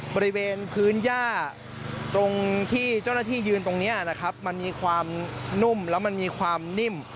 บริเวณพื้นย่าตรงที่เจ้าหน้าที่ยืนตรงนี้นะครับมันมีความนุ่มแล้วมันมีความนิ่ม